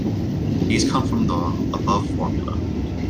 These come from the above formula.